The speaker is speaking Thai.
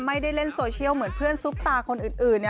ไม่ได้เล่นโซเชียลเหมือนเพื่อนซุปตาคนอื่น